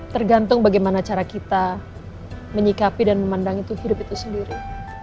tergantung bagaimana cara kita menyikapi dan memandang itu hidup itu sendiri